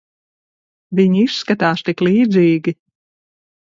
Viņi izskatās tik līdzīgi.